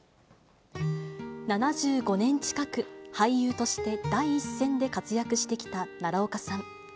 ７５年近く、俳優として第一線で活躍してきた奈良岡さん。